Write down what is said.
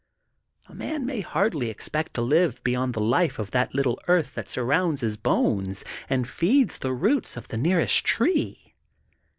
A man may hardly expect to live again beyond the life of that little earth that surrounds his bones, and feeds the roots of the nearest tree.